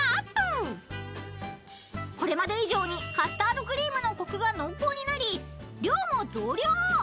［これまで以上にカスタードクリームのコクが濃厚になり量も増量］